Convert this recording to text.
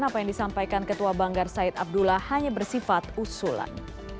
dan apa yang disampaikan ketua banggar said abdullah hanya bersifat usulan